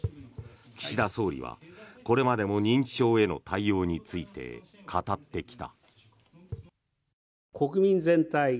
岸田総理はこれまでも認知症への対応について語ってきた。